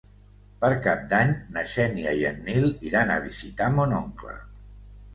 Per Cap d'Any na Xènia i en Nil iran a visitar mon oncle.